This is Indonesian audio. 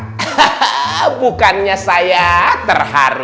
tapi itu bukannya saya terharu